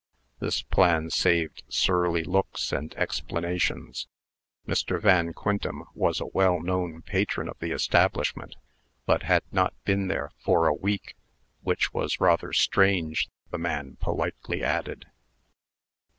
This plan saved surly looks and explanations. Mr. Van Quintem was a well known patron of the establishment, but had not been there for a week: which was rather strange, the man politely added.